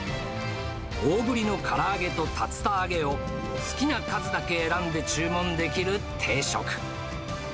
大ぶりのから揚げと竜田揚げを、好きな数だけ選んで注文できる定食。